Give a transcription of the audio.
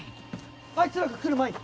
あいつらが来る前に！